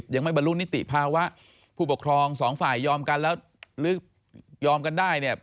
ยังไม่บรรลุนิติภาวะผู้ปกครอง๒ฝ่ายยอมกันหรือยอมกันได้